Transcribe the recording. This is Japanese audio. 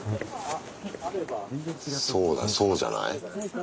そうだそうじゃない？